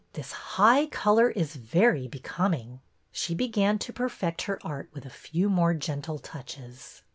This high color is very becoming." She began to perfect her art with a few more gentle touches.